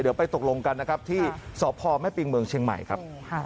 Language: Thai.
เดี๋ยวไปตกลงกันนะครับที่สพแม่ปิงเมืองเชียงใหม่ครับ